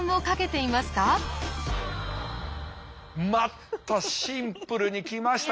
またシンプルに来ました。